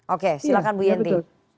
oke silahkan bu yanti